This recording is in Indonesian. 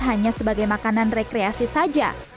hanya sebagai makanan rekreasi saja